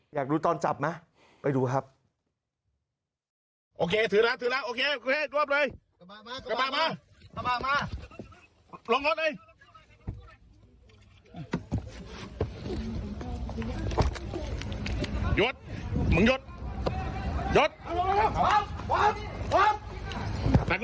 อยากดูตอนจับมั้ยไปดูครับโอเคถือแล้วถือแล้วโอเค